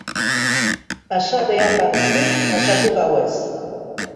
Pasa behar baduzu pasatu gauez...